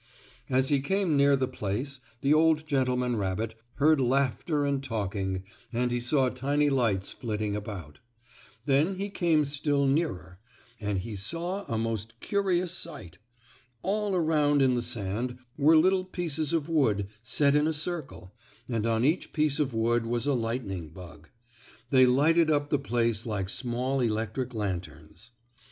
As he came near the place, the old gentleman rabbit heard laughter and talking, and he saw tiny lights flitting about. Then he came still nearer, and he saw a most curious sight. All around in the sand were little pieces of wood, set in a circle, and on each piece of wood was a lightning bug. They lighted up the place like small electric lanterns.